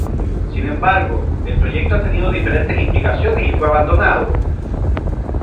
Sin embargo, el proyecto ha tenido diferentes implicaciones y fue abandonado.